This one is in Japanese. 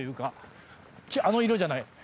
あの色じゃない。